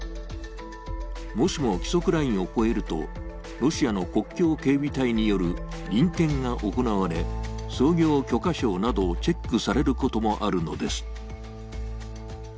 もしも規則ラインを越えると、ロシアの国境警備隊による臨検が行われ、操業許可証などをチェックされることもあるのです。